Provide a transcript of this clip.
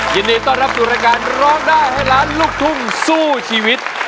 ยินดีต้อนรับสู่รายการร้องได้ให้ล้านลูกทุ่งสู้ชีวิต